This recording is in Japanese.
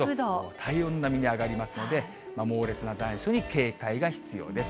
体温並みに上がりますので、猛烈な残暑に警戒が必要です。